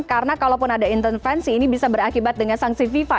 karena kalaupun ada intervensi ini bisa berakibat dengan sanksi fifa